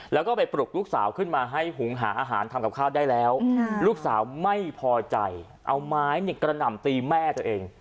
แล้วก็ไปปลุกลูกสาวขึ้นมาให้หุงหาอาหารทำกับข้าวได้แล้วลูกสาวไม่พอใจเอาไม้กระหน่ำตีแม่ตัวเอง